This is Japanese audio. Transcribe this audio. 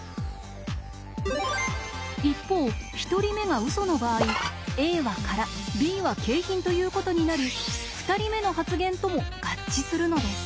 一方１人目がウソの場合「Ａは空Ｂは景品」ということになり２人目の発言とも合致するのです。